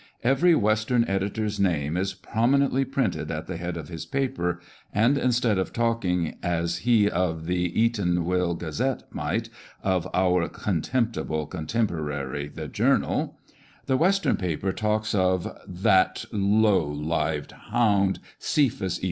Every western editor's name is prominently printed at the head of his paper, and instead of talking as he of the Eatanswill Gazette might, of our " contemptible contemporary the Journal," the Western paper talks of " that low lived hound, Cephas E.